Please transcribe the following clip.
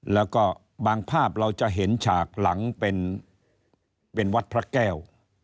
แล้วก็บางภาพเราจะเห็นฉากหลังเป็นวัดพระแก้ว